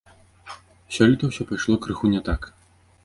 Сёлета ўсё прайшло крыху не так.